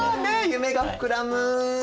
夢が膨らむ。